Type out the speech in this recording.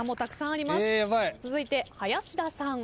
続いて林田さん。